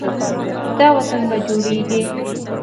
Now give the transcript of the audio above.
دا وطن به جوړیږي.